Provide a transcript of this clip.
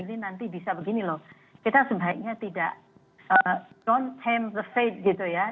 ini nanti bisa begini loh kita sebaiknya tidak don't tame the fate gitu ya